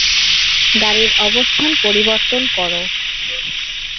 গাড়ির অবস্থান পরিবর্তন করো।